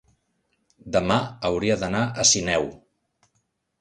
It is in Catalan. Demà hauria d'anar a Sineu.